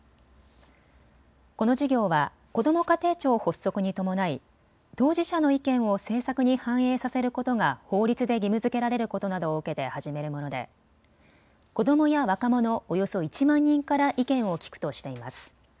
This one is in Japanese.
この事業はこども家庭庁発足に伴い、当事者の意見を政策に反映させることが法律で義務づけられることなどを受けて始めるもので子どもや若者、およそ１万人から意見を聴くとしています。